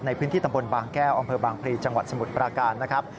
ในพื้นที่ตำบลบางแก้วอำเภอบางพลีจังหวัดสมุทรปราการนะครับ